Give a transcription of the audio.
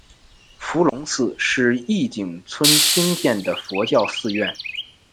伏龙寺是义井村兴建的佛教寺院。